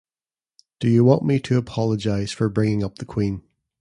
Do you want me to apologize for bringing up the queen?